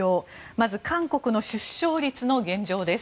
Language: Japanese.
まず韓国の出生率の現状です。